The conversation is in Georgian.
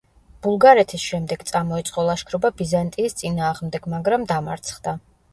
ბულგარეთის შემდეგ წამოიწყო ლაშქრობა ბიზანტიის წინააღმდეგ, მაგრამ დამარცხდა.